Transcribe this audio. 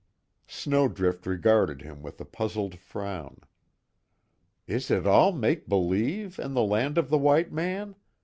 Snowdrift regarded him with a puzzled frown: "Is it all make believe, in the land of the white man?